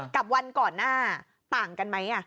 กับวันก่อนหน้าต่างกันไหม